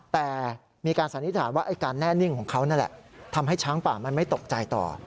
แต่มีการสันนิษฐานว่าไอ้การแน่นิ่งของเขานั่นแหละทำให้ช้างป่ามันไม่ตกใจต่อ